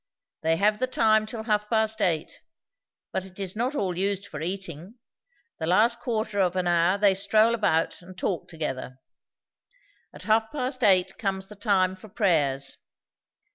They have the time till half past eight, but it is not all used for eating; the last quarter of an hour they stroll about and talk together. At half past eight comes the time for prayers.